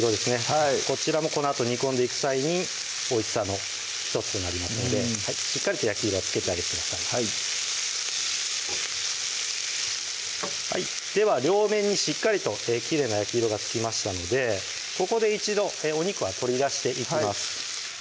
はいこちらもこのあと煮込んでいく際においしさの１つになりますのでしっかりと焼き色をつけてあげてくださいでは両面にしっかりときれいな焼き色がつきましたのでここで一度お肉は取り出していきます